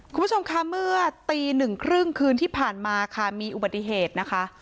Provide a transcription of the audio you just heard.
คุณผู้ชมคะเมื่อตีหนึ่งครึ่งคืนที่ผ่านมาค่ะมีอุบัติเหตุนะคะ